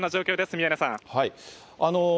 宮根さん。